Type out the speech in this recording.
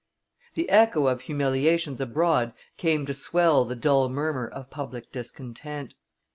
The echo of humiliations abroad came to swell the dull murmur of public discontent.